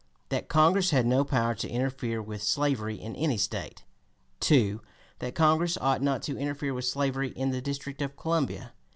That Congress had no power to interfere with slavery in any State; 2. That Congress ought not to interfere with slavery in the District of Columbia; 3.